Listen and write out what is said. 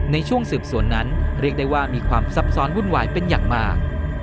ในช่วงสืบสวนนั้นเรียกได้ว่ามีความซับซ้อนวุ่นวายเป็นอย่างมาก